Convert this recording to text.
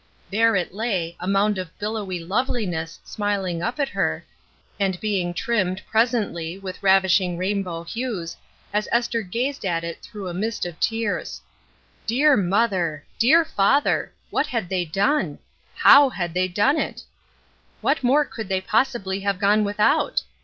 There it lay, a moimd of billowy loveliness smihng up at her, and being trimmed, presently, with ravishing rainbow hues as Esther gazed at it through a mist of tears. Dear mother! dear father ! what had they done ? How had they done it ? What more could they possibly have gone without?